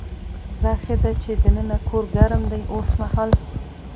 ځه ښه ده چې دننه کور ګرم دی اوسمهال.